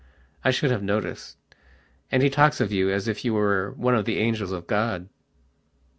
I should have noticed. And he talks of you as if you were one of the angels of God."